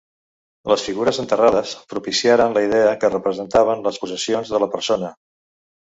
Les figures enterrades propiciaren la idea que representaven les possessions de la persona.